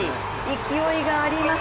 勢いがあります